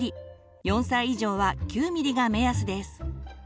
４歳以上は９ｍｍが目安です。